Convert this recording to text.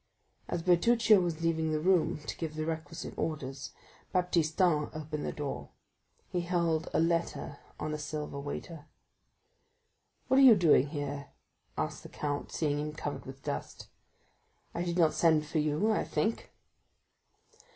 As Bertuccio was leaving the room to give the requisite orders, Baptistin opened the door: he held a letter on a silver waiter. "What are you doing here?" asked the count, seeing him covered with dust; "I did not send for you, I think?"